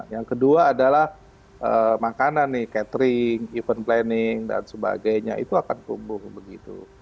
yang kedua adalah makanan nih catering event planning dan sebagainya itu akan tumbuh begitu